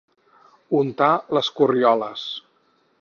Untar les corrioles.